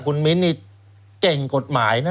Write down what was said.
คุณมิ้นนี่เก่งกฎหมายนะ